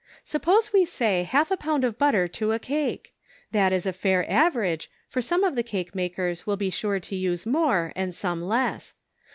Suppose we say half a pound of butter to a cake. That is a fair average, for some of the cake makers will be sure to use more, and some less.